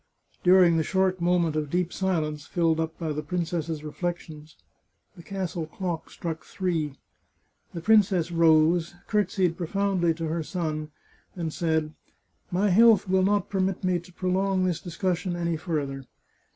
During the short moment of deep silence filled up by the princess's reflections, the castle clock struck three. The princess rose, courtesied profoundly to her son, and said: " My health will not permit me to prolong this discussion any further.